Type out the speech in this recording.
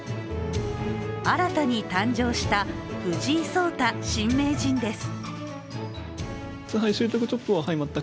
新たに誕生した藤井聡太新名人です。